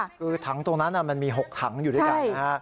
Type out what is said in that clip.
คือถังตรงนั้นมันมี๖ถังอยู่ด้วยกันนะฮะ